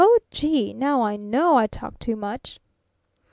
"Oh, gee! Now I know I talk too much!"